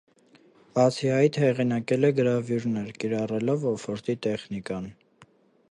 Բացի այդ, հեղինակել է գրավյուրներ՝ կիրառելով օֆորտի տեխնիկան։